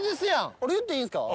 俺言っていいんすか？